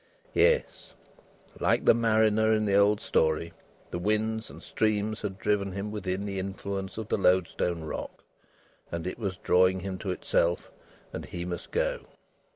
Yes. Like the mariner in the old story, the winds and streams had driven him within the influence of the Loadstone Rock, and it was drawing him to itself, and he must go.